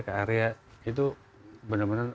ke area itu benar benar